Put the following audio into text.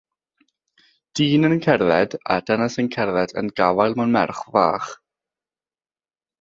Dyn yn cerdded a dynes yn cerdded yn gafael mewn merch fach.